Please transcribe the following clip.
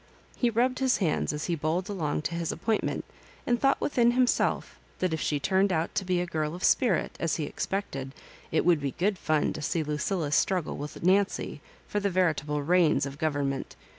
He rubbed his hands as he bowled along to his ap pointment, and thought within himself that if she turned out a girl of spirit, as he expected, it would be good fun to see Lucilla's struggle with Nancy for the veritable reins of government.